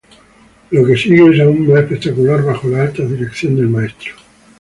Lo que sigue es aún más espectacular: bajo la alta dirección del Maestro.